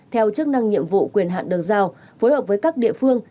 theo chức năng nhiệm vụ quyền hạn được giao phối hợp với các địa phương